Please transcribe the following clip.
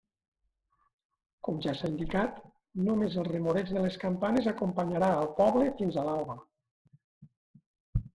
Com ja s'ha indicat, només el remoreig de les campanes acompanyarà al poble fins a l'alba.